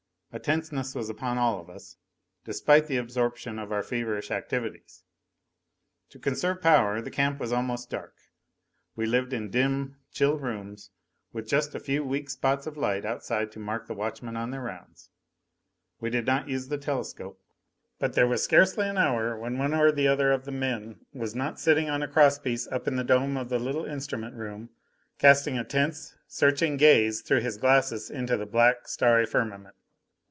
A tenseness was upon all of us, despite the absorption of our feverish activities. To conserve power, the camp was almost dark, we lived in dim, chill rooms, with just a few weak spots of light outside to mark the watchmen on their rounds. We did not use the telescope, but there was scarcely an hour when one or the other of the men was not sitting on a cross piece up in the dome of the little instrument room, casting a tense, searching gaze through his glasses into the black, starry firmament.